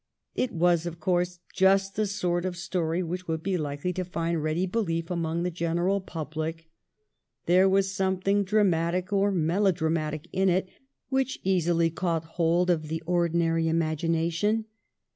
It was of course just the sort of story which would be likely to find ready belief among the general public. There was something dramatic or melodramatic in it which easily caught hold of the ordinary imagination.